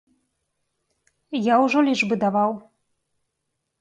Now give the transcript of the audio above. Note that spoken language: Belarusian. Я ўжо лічбы даваў.